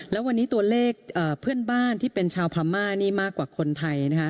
แล้ววันนี้ตัวเลขเพื่อนบ้านที่เป็นชาวพม่านี่มากกว่าคนไทยนะคะ